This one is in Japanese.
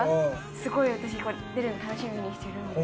すごい私これ出るの楽しみにしてるんです。